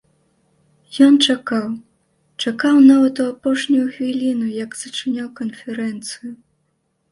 Ён чакаў, чакаў нават у апошнюю хвіліну, як зачыняў канферэнцыю.